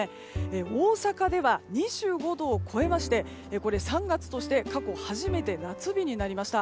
大阪では２５度を超えまして３月として過去初めて夏日となりました。